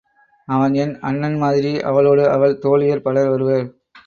அவன் என் அண்ணன் மாதிரி அவளோடு அவள் தோழியர் பலர் வருவர்.